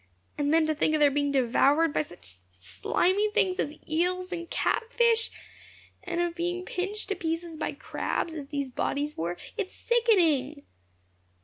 And then to think of their being devoured by such slimy things as eels and catfish, and of being pinched to pieces by crabs, as these bodies were it is sickening!"